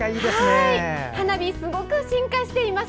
花火、すごく進化しています。